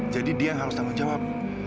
jadi dia yang harus tanggung jawab